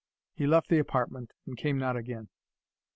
He left the apartment, and came not again.